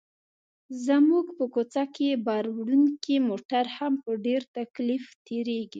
زموږ په کوڅه کې باروړونکي موټر هم په ډېر تکلیف تېرېږي.